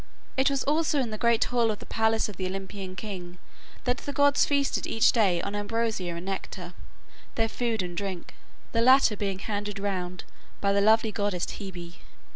It was also in the great hall of the palace of the Olympian king that the gods feasted each day on ambrosia and nectar, their food and drink, the latter being handed round by the lovely goddess Hebe.